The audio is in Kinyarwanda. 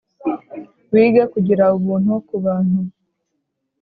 wige kugira ubuntu kubantu